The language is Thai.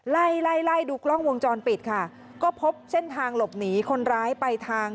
ไล่ไล่ไล่ดูกล้องวงจรปิดค่ะก็พบเส้นทางหลบหนีคนร้ายไปทาง